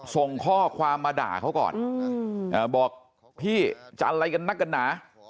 ส่งข้อความมาด่าเขาก่อนบอกพี่จะอะไรกันนักกันหนา